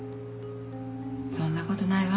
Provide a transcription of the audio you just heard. そんなことないわ。